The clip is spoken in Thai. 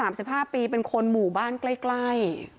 ๕๕ปีเป็นคนหมู่บ้านใกล้